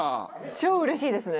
超うれしいですね。